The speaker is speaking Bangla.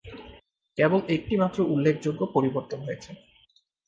কেবল একটিমাত্র উল্লেখযোগ্য পরিবর্তন হয়েছে।